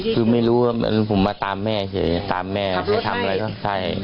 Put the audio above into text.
เห็นหายเนยที่